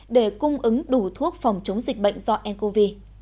để cung ứng đủ thuốc phòng chống dịch bệnh do ncov